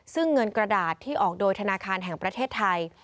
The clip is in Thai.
ซึ่งเงินกระดาษที่ออกโดยธนาคารแห่งประเทศไทย